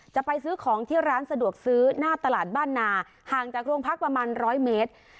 จะไปซื้อของที่ร้านสะดวกซื้อหน้าตลาดบ้านนาห่างจากโรงพักประมาณร้อยเมตร